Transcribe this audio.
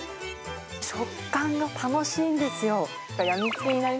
食感が楽しいんですよ。